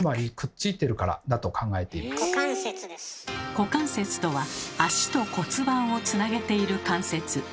「股関節」とは足と骨盤をつなげている関節。